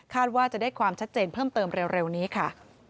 ว่าจะได้ความชัดเจนเพิ่มเติมเร็วนี้ค่ะ